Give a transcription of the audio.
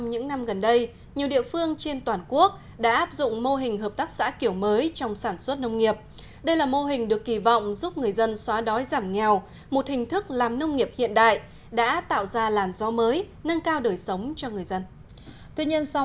hãy đăng ký kênh để ủng hộ kênh của chúng mình nhé